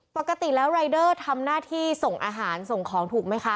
ปกติแล้วรายเดอร์ทำหน้าที่ส่งอาหารส่งของถูกไหมคะ